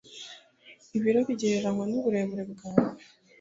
ibiro bigereranywa n'uburebure bwawe